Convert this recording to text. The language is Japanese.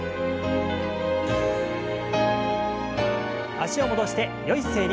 脚を戻してよい姿勢に。